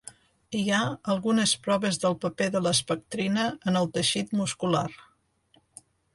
Hi ha algunes proves del paper de l'espectrina en el teixit muscular.